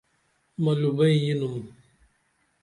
ملو بئیں یِنُم